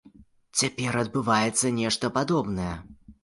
Цяпер адбываецца нешта падобнае.